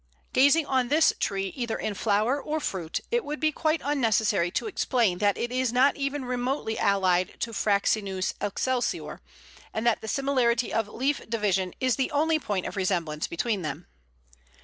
Gazing on this tree either in flower or fruit, it would be quite unnecessary to explain that it is not even remotely allied to Fraxinus excelsior, and that the similarity of leaf division is the only point of resemblance between them.